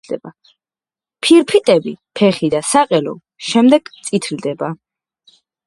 ფირფიტები, ფეხი და საყელო შემდეგ წითლდება.